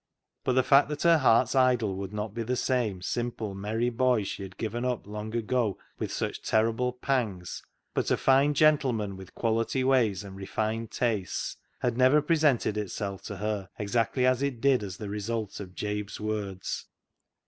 But the fact that her heart's idol would not be the same simple, merry boy she had given up long ago with such terrible pangs, but a fine gentleman with " quality " ways and refined tastes, had never presented itself to her exactly as it did as the result of Jabe's words.